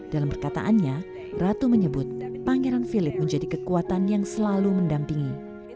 dalam perkataannya ratu menyebut pangeran philip menjadi kekuatan yang selalu mendampingi